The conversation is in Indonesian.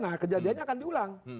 nah kejadiannya akan diulang